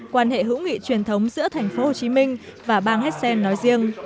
quan hệ hữu nghị truyền thống giữa thành phố hồ chí minh và bang hessen nói riêng